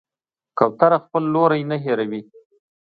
کوتره خپل لوری نه هېروي.